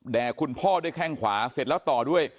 คุณพ่อด้วยแข้งขวาเสร็จแล้วต่อด้วย